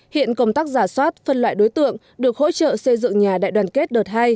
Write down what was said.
hiện công tác giả soát phân loại đối tượng được hỗ trợ xây dựng nhà đại đoàn kết đợt hai